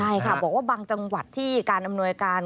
ใช่ค่ะบอกว่าบางจังหวัดที่การอำนวยการ